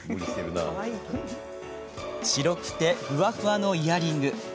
白くてふわふわのイヤリング